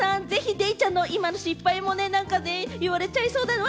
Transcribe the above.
デイちゃんの今の失敗も何か言われちゃいそうだな。